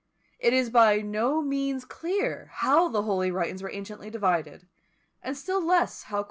It is by no means clear how the holy writings were anciently divided, and still less how quoted or referred to.